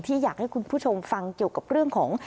อยากให้คุณผู้ชมฟังเกี่ยวกับเรื่องของ